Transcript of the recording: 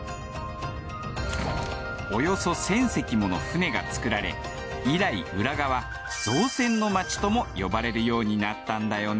およそ１，０００隻もの船が造られ以来浦賀は「造船の街」とも呼ばれるようになったんだよね。